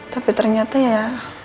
tapi ternyata ya